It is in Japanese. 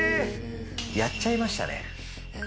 やっちゃいましたね。